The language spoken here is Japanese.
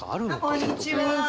こんにちは。